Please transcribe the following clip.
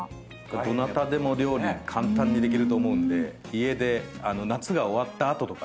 どなたでも料理簡単にできると思うんで家で夏が終わった後とかね。